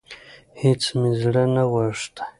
هيڅ مي زړه نه غوښتی .